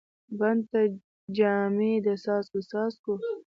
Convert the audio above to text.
بڼ ته جامې د څاڅکو، څاڅکو